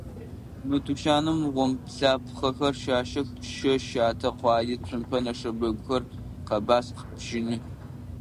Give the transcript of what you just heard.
Мы тучаным гъомлапхъэхэр щащэх: щэ, щатэ, къуае, цумпэ, нэшэбэгухэр, къэбаскъ, бжьыны.